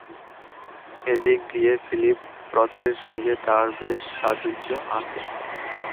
এদিক দিয়ে ফিলিপ রথের সঙ্গে তার বেশ সাযুজ্য আছে।